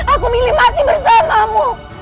aku milih mati bersamamu